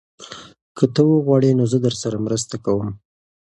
که ته وغواړې نو زه درسره مرسته کوم.